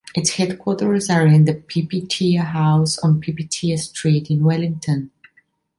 Its headquarters are in the Pipitea House on Pipitea Street in Wellington.